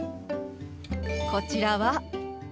こちらは。